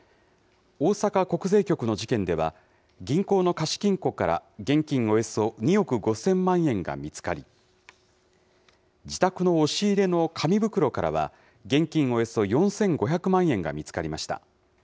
大阪国税局の事件では、銀行の貸金庫から現金およそ２億５０００万円が見つかり、自宅の押し入れの紙袋からは、現金およそ４５００万円が見つかりました。